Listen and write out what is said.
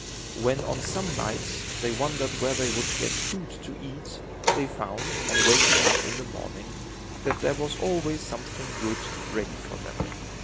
When, on some nights, they wondered where they would get food to eat, they found, on waking up in the morning, that there was always something good ready for them.